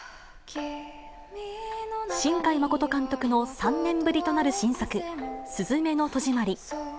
新海誠監督の３年ぶりとなる新作、すずめの戸締まり。